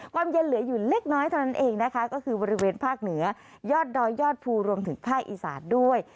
ความเย็นเหลืออยู่เล็กน้อยเท่านั้นเองนะคะก็คือบริเวณภาคเหนือยอดดอยยอดภูรวมถึงภาคอีสานด้วย